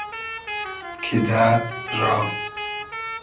کیدۂ را